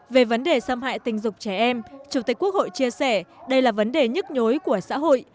về vấn đề xâm hại tình dục trẻ em chủ tịch quốc hội chia sẻ đây là vấn đề nhức nhối của xã hội